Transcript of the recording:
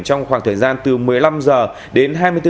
trong khoảng thời gian từ một mươi năm h đến hai mươi bốn h